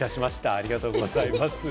ありがとうございます。